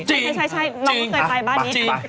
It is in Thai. ใช่น้องก็เคยไปบ้านนี้